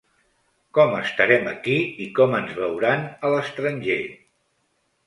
Com estarem aquí i com ens veuran a l’estranger?